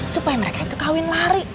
supaya mereka itu kawin lari